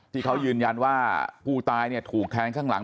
ที่เขายืนยันว่าผู้ตายเนี่ยถูกแทงข้างหลัง